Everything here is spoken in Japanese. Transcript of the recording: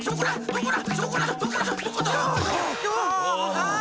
ああ。